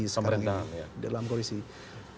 karena dia ada di dalam koalisi sekarang